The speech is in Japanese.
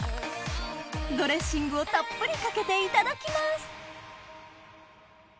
ドレッシングをたっぷりかけていただきます！